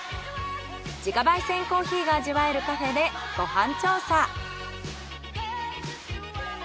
自家焙煎コーヒーが味わえるカフェでご飯調査。